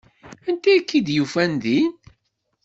Anta i k-id-yufan din?